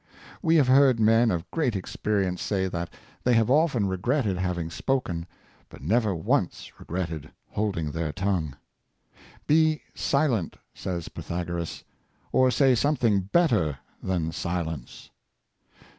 We have heard men of great experience say that they have often regretted having spoken, but never once regretted holding their tongue, " Be silent," says Pythagoras, "or say something better than silence."